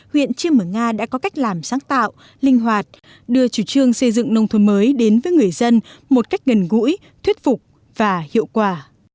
huyện chiêm mở nga đã có cách làm sáng tạo linh hoạt đưa chủ trương xây dựng nông thôn mới đến với người dân một cách gần gũi thuyết phục và hiệu quả